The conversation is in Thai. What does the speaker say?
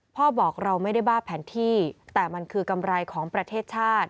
พ่อบอกเราไม่ได้บ้าแผนที่แต่มันคือกำไรของประเทศชาติ